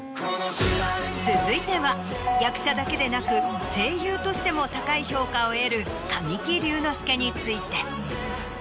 続いては役者だけでなく声優としても高い評価を得る神木隆之介について。